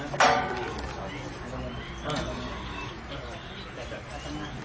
อย่าเป็นอย่างน้อยอย่าเป็นอย่างน้อย